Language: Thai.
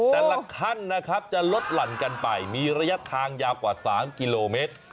แต่ละขั้นนะครับจะลดหลั่นกันไปมีระยะทางยาวกว่า๓กิโลเมตร